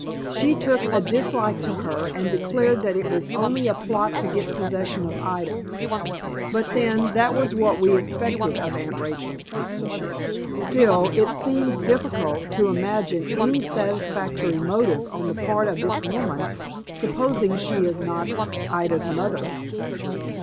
"She took a dislike to her, and declared that it was only a plot to get possession of Ida; but then, that was what we expected of Aunt Rachel." "Still, it seems difficult to imagine any satisfactory motive on the part of this woman, supposing she is not Ida's mother."